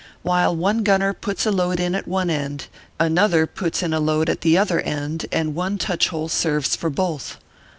While one gunner puts a load in at one end, another puts in ? load at the other end, and one touch hole serves for both.